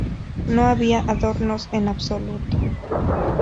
No había adornos en absoluto...